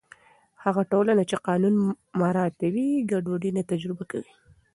هغه ټولنه چې قانون مراعتوي، ګډوډي نه تجربه کوي.